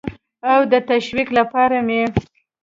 او د تشویق لپاره مې